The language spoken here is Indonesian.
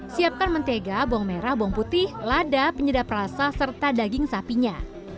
siapkan mentega bawang merah bawang putih lada penyedap rasa serta daging sapinya